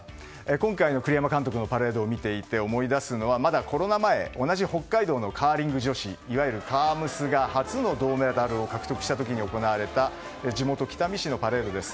今回の栗山監督のパレードを見ていて思い出すのはまだコロナ前同じ北海道のカーリング女子いわゆるカー娘が初の銅メダルを獲得した時に行われた地元・北見市のパレードです。